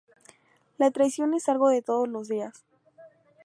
La traición es algo de todos los días.